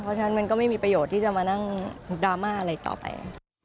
เพราะฉะนั้นมันก็ไม่มีประโยชน์ที่จะมานั่งดราม่าอะไรต่อไป